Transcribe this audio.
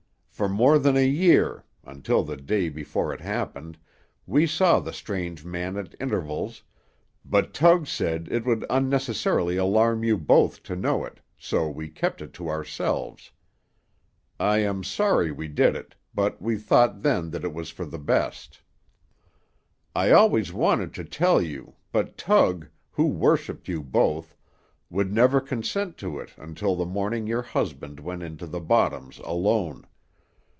For more than a year, until the day before it happened we saw the strange man at intervals, but Tug said it would unnecessarily alarm you both to know it, so we kept it to ourselves. I am sorry we did it, but we thought then it was for the best. I always wanted to tell you, but Tug, who worshipped you both, would never consent to it until the morning your husband went into the bottoms alone.